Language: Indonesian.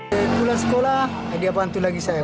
di bulan sekolah dia bantu lagi saya